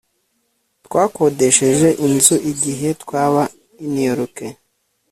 Twakodesheje inzu igihe twaba i New York